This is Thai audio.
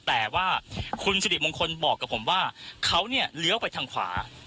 แต่ว่าคุณสิริมงคลบอกกับผมว่าเขาเนี่ยเลี้ยวไปทางขวา